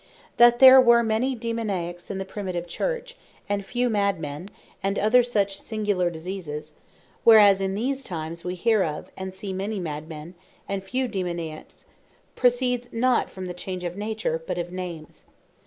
That there were many Daemoniaques in the Primitive Church, and few Mad men, and other such singular diseases; whereas in these times we hear of, and see many Mad men, and few Daemoniaques, proceeds not from the change of Nature; but of Names.